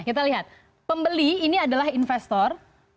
kita lihat pembeli ini adalah investor